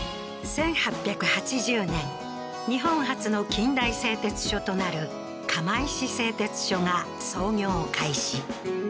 １８８０年日本初の近代製鉄所となる釜石製鐵所が操業を開始